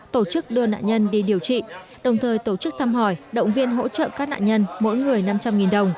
tổ chức đưa nạn nhân đi điều trị đồng thời tổ chức thăm hỏi động viên hỗ trợ các nạn nhân mỗi người năm trăm linh đồng